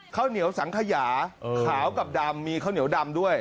ข้าวเหนียวสังขยาขาวกับดำมีข้าวเหนียวดำด้วย